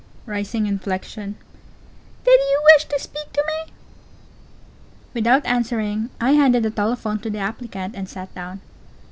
(Rising inflection.) Did you wish to speak to me? Without answering, I handed the telephone to the applicant, and sat down.